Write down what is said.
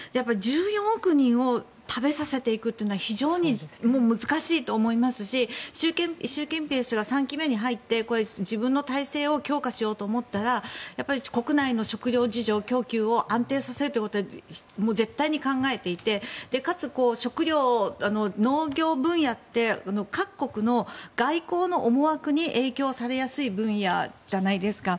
１４億人を食べさせていくのは非常に難しいと思いますし習近平氏が３期目に入って自分の体制を強化しようと思ったら国内の食料事情供給を安定させるということは絶対に考えていてかつ食料・農業分野って各国の外交の思惑に影響されやすい分野じゃないですか。